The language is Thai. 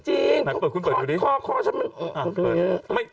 ไหนเปิดคุณดูดิ